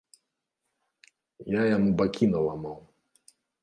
Я яму бакі наламаў.